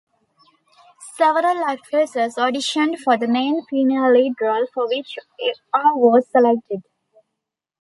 Several actresses auditioned for the main female lead role for which Aw was selected.